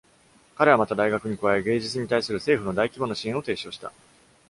彼はまた、大学に加え、芸術に対する政府の大規模な支援を提唱した。